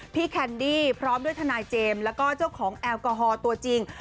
แคนดี้พร้อมด้วยทนายเจมส์แล้วก็เจ้าของแอลกอฮอล์ตัวจริง